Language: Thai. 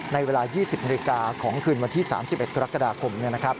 ในเวลา๒๐นาฬิกาของคืนวันที่๓๑กรกฎาคม